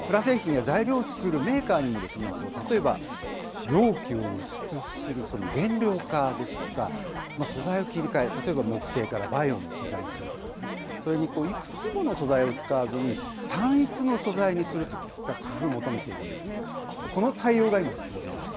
プラ製品や材料を作るメーカーにも、例えば容器を薄くする減量化ですとか、素材を切り替え、例えば木製からバイオの素材にするとか、それにいくつもの素材を使わずに、単一の素材にするといった工夫を求めているんですね。